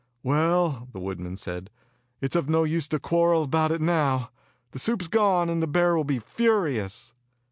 "Well," the woodman said, "it is of no use to quarrel about it now. The soup is gone, and the bear will be furious."